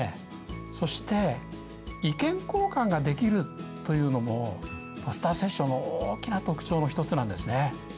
そして意見交換ができるというのもポスターセッションの大きな特徴の一つなんですね。